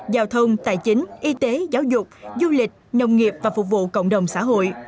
giao thông tài chính y tế giáo dục du lịch nông nghiệp và phục vụ cộng đồng xã hội